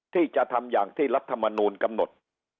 ที่จะทำอย่างที่รัฐมนูลกำหนด